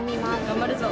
頑張るぞ。